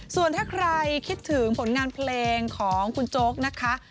ส่วนถ้าใครคิดถึงผลงานเพลงของคุณโจ๊กนะคะ